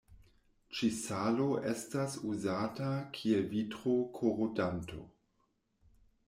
Ĉi-salo estas uzata kiel vitro-korodanto.